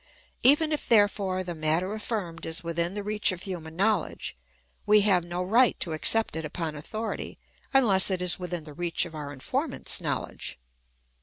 Even if, there fore, the matter affirmed is within the reach of human knowledge, we have no right to accept it upon authority unless it is within the reach of our informant's know ledge.